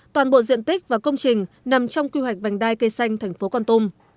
toàn bộ diện tích và công trình nằm trong quy hoạch vành đai cây xanh thành phố con tum